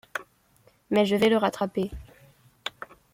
Mais je vais le rattraper.